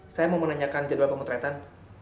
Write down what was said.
saya mau menanyakan jadwal pemotretan